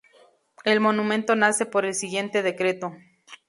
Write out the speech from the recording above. El monumento nace por el siguiente decreto.